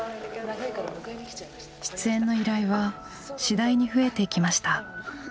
出演の依頼は次第に増えていきました。